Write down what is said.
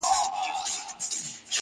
سپوږمۍ مو لاري څاري پیغامونه تښتوي،